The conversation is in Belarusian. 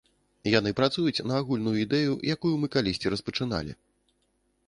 Яны працуюць на агульную ідэю, якую мы калісьці распачыналі.